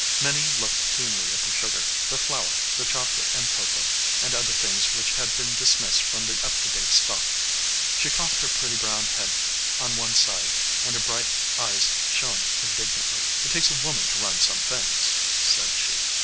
Minnie looked keenly at the sugar, the flour, the chocolate and cocoa, and other things which had been dismissed from the up to date stock. She cocked her pretty brown head on one side, and her bright eyes shone indignantly. "It takes a woman to run some things," said she.